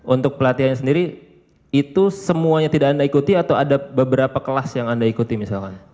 untuk pelatihannya sendiri itu semuanya tidak anda ikuti atau ada beberapa kelas yang anda ikuti misalkan